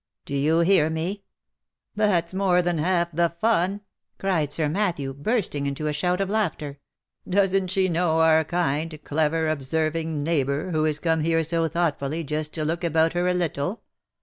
Do you hear me ? That's more than half the fun," cried Sir Matthew, bursting into a shout of laughter. " Doesn't she know our kind, clever, observing, neighbour, who is come here so thoughtfully, just to look about her a little